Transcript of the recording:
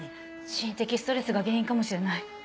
心的ストレスが原因かもしれない。